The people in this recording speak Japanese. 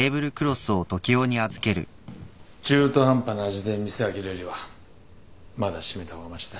中途半端な味で店開けるよりはまだ閉めた方がましだ。